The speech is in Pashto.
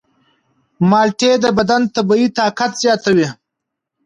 مالټې د بدن طبیعي طاقت زیاتوي.